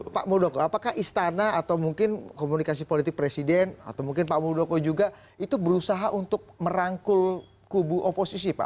pak muldoko apakah istana atau mungkin komunikasi politik presiden atau mungkin pak muldoko juga itu berusaha untuk merangkul kubu oposisi pak